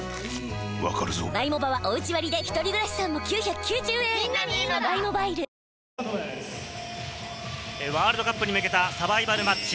わかるぞワールドカップに向けたサバイバルマッチ。